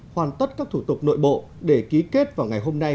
hoàn tất các thủ tục nội bộ để ký kết vào ngày hôm nay